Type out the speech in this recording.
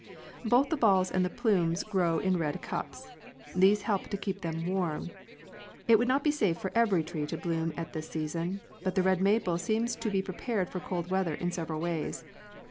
Both the balls and the plumes grow tn red cups. These help to keep them warm. It would not be safe for every tree to bloom at this season, but the red maple seems to be prepared for cold weather in several ways.